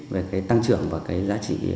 về cái tăng trưởng và cái giá trị